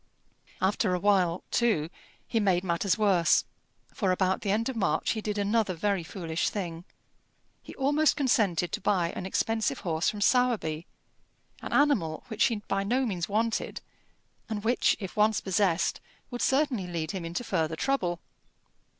After a while, too, he made matters worse, for about the end of March he did another very foolish thing. He almost consented to buy an expensive horse from Sowerby an animal which he by no means wanted, and which, if once possessed, would certainly lead him into further trouble.